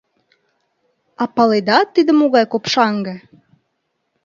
— А паледа, тиде могай копшаҥге?